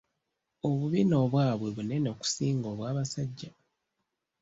Obubina obwabwe bunene okusinga obw'abasajja.